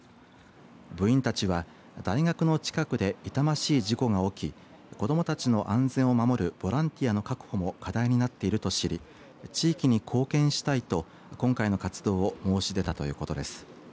部員たちは大学の近くでいたましい事故が起き子どもたちの安全を守るボランティアの確保も課題になっていると知り地域に貢献したいと今回の活動を申し出たということです。